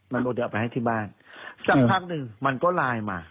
มันบอกจะเอาไปให้ที่บ้านสักพักนึงมันก็ไลน์มา